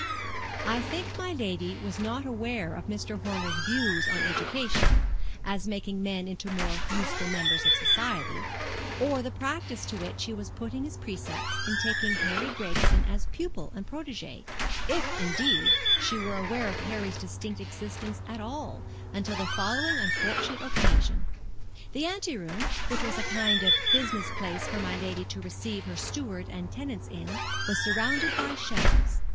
I think my lady was not aware of Mr. Horner's views on education (as making men into more useful members of society), or the practice to which he was putting his precepts in taking Harry Gregson as pupil and protege; if, indeed, she were aware of Harry's distinct existence at all, until the following unfortunate occasion. The anteroom, which was a kind of business place for my lady to receive her steward and tenants in, was surrounded by shelves.